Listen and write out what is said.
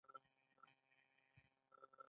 علم په ټولنه کي د خلکو په ژوند کي تغیر راولي.